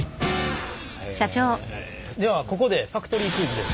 ではここでファクトリークイズです。